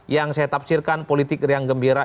yang saya tafsirkan politik yang gembira